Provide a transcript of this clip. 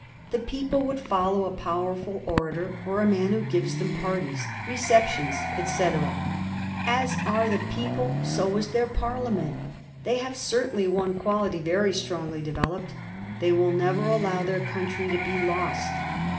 The people would follow a powerful orator or a man who gives them parties, receptions, etc. As are the people, so is their Parliament. They have certainly one quality very strongly developed. They will never allow their country to be lost.